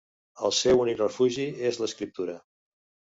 El seu únic refugi és l'escriptura.